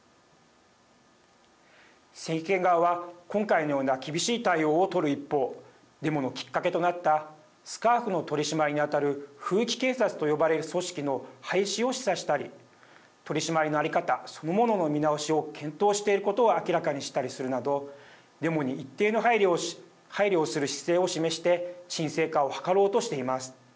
政権側は今回のような厳しい対応を取る一方デモのきっかけとなったスカーフの取締りに当たる風紀警察と呼ばれる組織の廃止を示唆したり取締りの在り方そのものの見直しを検討していることを明らかにしたりするなどデモに一定の配慮をする姿勢を示して沈静化を図ろうとしています。